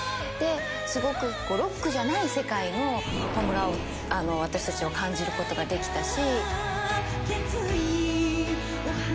すごくロックじゃない世界の『炎』を私たちは感じることができたし。